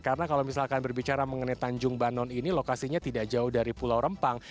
karena kalau misalkan berbicara mengenai tanjung banon ini lokasinya tidak jauh dari pulau rempang